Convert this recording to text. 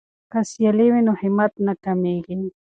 که سیالي وي نو همت نه کمیږي.